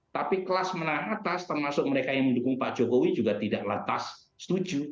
tapi kelas menengah atas termasuk mereka yang mendukung pak jokowi juga tidak lantas setuju